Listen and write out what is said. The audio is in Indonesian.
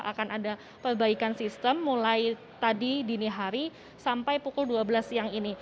akan ada perbaikan sistem mulai tadi dini hari sampai pukul dua belas siang ini